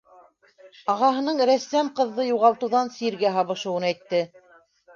Ағаһының рәссам ҡыҙҙы юғалтыуҙан сиргә һабышыуын әйтте.